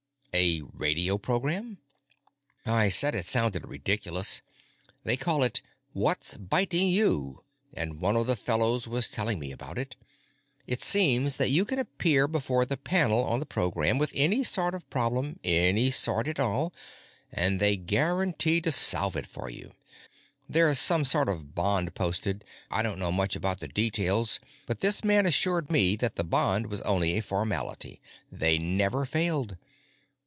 "A radio program?" "I said it sounded ridiculous. They call it, 'What's Biting You,' and one of the fellows was telling me about it. It seems that you can appear before the panel on the program with any sort of problem, any sort at all, and they guarantee to solve it for you. There's some sort of bond posted—I don't know much about the details, but this man assured me that the bond was only a formality; they never failed.